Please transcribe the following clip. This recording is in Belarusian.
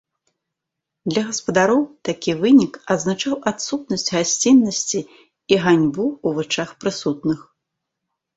Для гаспадароў такі вынік азначаў адсутнасць гасціннасці і ганьбу ў вачах прысутных.